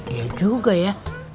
iya juga ya